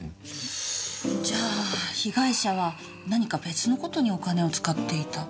じゃあ被害者は何か別の事にお金を使っていた。